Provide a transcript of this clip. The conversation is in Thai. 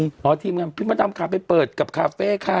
พี่พระดำคือพี่พระกำคับไปเปิดกับคาเฟ่ค่ะ